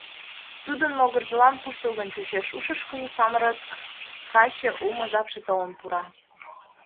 Тудын могыржылан куштылгын чучеш, ушышкыжо самырык каче улмо жапше толын пура.